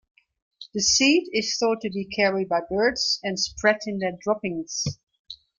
The seed is thought to be carried by birds and spread in their droppings.